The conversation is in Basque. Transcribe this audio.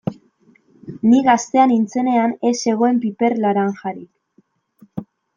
Ni gaztea nintzenean ez zegoen piper laranjarik.